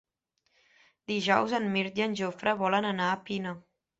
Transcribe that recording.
Dijous en Mirt i en Jofre volen anar a Pina.